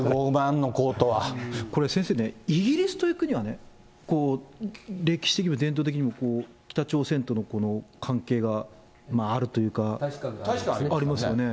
これ、先生ね、イギリスという国はね、歴史的にも伝統的にも、北朝鮮との関係があるというか、ありますよね